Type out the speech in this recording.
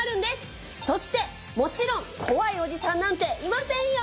そしてもちろん怖いおじさんなんていませんよ！